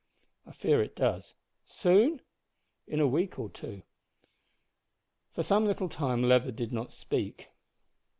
"I fear it does." "Soon?" "In a week or two." For some little time Leather did not speak.